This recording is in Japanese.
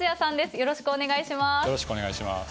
よろしくお願いします。